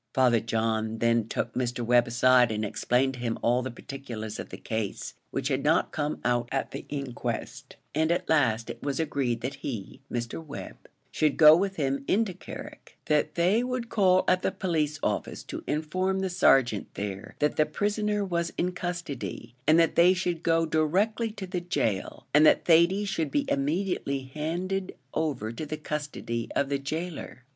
Father John then took Mr. Webb aside, and explained to him all the particulars of the case, which had not come out at the inquest; and at last it was agreed that he, Mr. Webb, should go with them into Carrick that they would call at the police office to inform the sergeant there that the prisoner was in custody, and that they should go direct to the gaol, and that Thady should be immediately handed over to the custody of the gaoler.